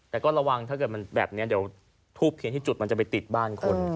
แต่ก็ระวังถ้าเกิดมันแบบนี้เดี๋ยวทูบเทียนที่จุดมันจะไปติดบ้านคน